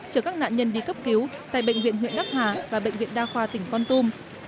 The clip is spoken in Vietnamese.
chở các nạn nhân đi cấp cứu tại bệnh viện huyện đắc hà và bệnh viện đa khoa tỉnh con tum